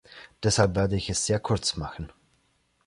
Deshalb werde ich es sehr kurz machen.